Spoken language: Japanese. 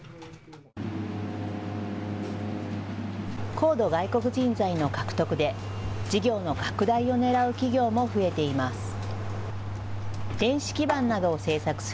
高度外国人材の獲得で事業の拡大をねらう企業も増えています。